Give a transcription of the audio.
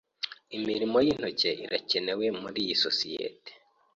Imirimo y'intoki irakenewe muri iyi sosiyete.